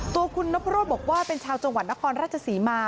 ตัวคุณนพรวดบอกว่าเป็นชาวจังหวัดนครราชศรีมา